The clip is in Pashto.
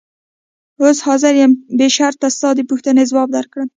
اوس حاضر یم بې شرطه ستا د پوښتنې ځواب درکړم.